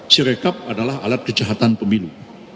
sirekap adalah alat kejahatan pemilu